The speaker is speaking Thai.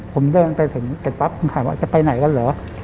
ผมเดินไปถึงเสร็จปั๊บผมถามว่าจะไปไหนกันเหรอ